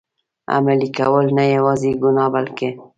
عملي کول، نه یوازي ګناه بلکه.